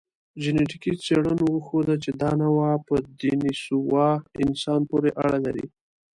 جنټیکي څېړنو وښوده، چې دا نوعه په دنیسووا انسان پورې اړه لري.